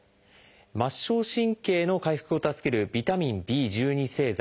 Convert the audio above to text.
末梢神経の回復を助けるビタミンＢ製剤。